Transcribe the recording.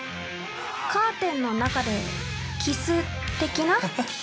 ◆カーテンの中でキス的な？